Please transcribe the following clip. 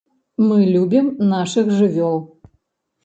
Мы любім нашых жывёл.